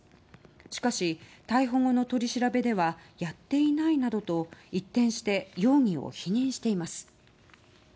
しかし、逮捕後の取り調べではやっていないなどと一転して容疑を否認しています。